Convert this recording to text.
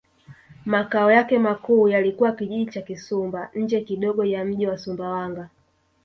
Makao yake makuu yalikuwa Kijiji cha Kisumba nje kidogo ya mji wa Sumbawanga